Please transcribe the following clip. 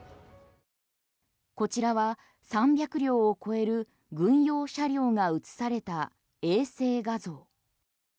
こちらは３００両を超える軍用車両が写された衛星画像。